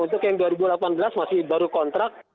untuk yang dua ribu delapan belas masih baru kontrak